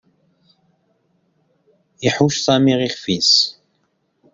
Ihucc Sami ixef-is.